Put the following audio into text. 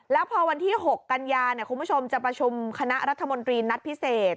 แล้วพอวันที่๖กันยาคุณผู้ชมจะประชุมคณะรัฐมนตรีนัดพิเศษ